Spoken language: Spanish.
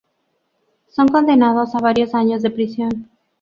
Son condenados a varios años de prisión.